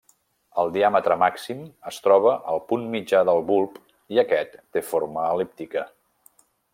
El diàmetre màxim es troba al punt mitjà del bulb i aquest té forma el·líptica.